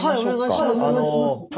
はいお願いします。